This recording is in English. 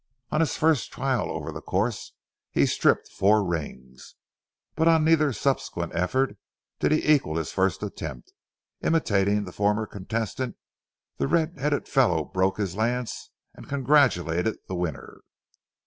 On his first trial over the course, he stripped four rings, but on neither subsequent effort did he equal his first attempt. Imitating the former contestant, the red headed fellow broke his lance and congratulated the winner.